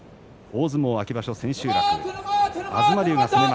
大相撲秋場所千秋楽です。